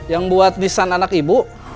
yang buat desain anak ibu